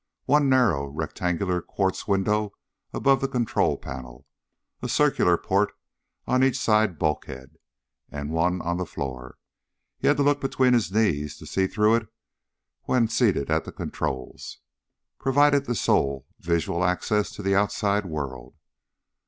One narrow rectangular quartz window above the control panel, a circular port on each side bulkhead and one on the floor he had to look between his knees to see through it when seated at the controls provided the sole visual access to the outside world.